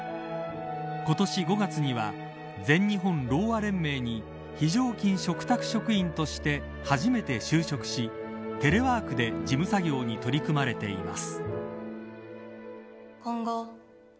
今年５月には全日本ろうあ連盟に非常勤嘱託職員として初めて就職し、テレワークで事務作業に取り組まれています。